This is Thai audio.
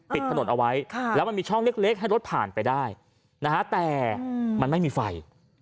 ปิดถนนเอาไว้แล้วมันมีช่องเล็กให้รถผ่านไปได้นะฮะแต่มันไม่มีไฟ